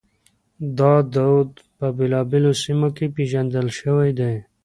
دا دود په بېلابېلو سيمو کې پېژندل شوی دی.